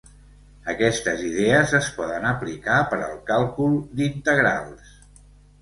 Aquestes idees es poden aplicar per al càlcul d'integrals.